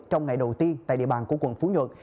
trong ngày đầu tiên tại địa bàn của quận phú nhuận